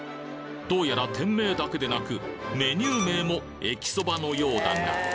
どうやら店名だけでなくメニュー名も「えきそば」のようだが。